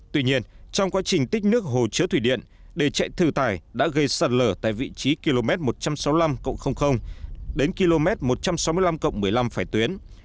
tuy nhiên trong quá trình tích nước hồ chứa thủy điện đề chạy thử tải đã gây sạt lở tại vị trí km một trăm sáu mươi năm đến km một trăm sáu mươi năm một mươi năm phải tuyến